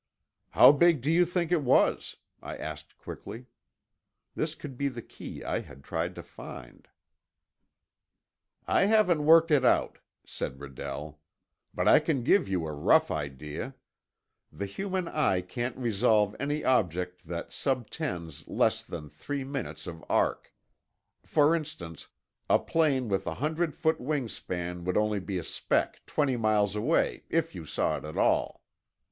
"How big do you think it was?" I asked quickly. This could be the key I had tried to find. "I haven't worked it out," said Redell. "But I can give you a rough idea. The human eye can't resolve any object that subtends less than three minutes of arc. For instance, a plane with a hundred foot wing span would only be a speck twenty miles away, if you saw it at all."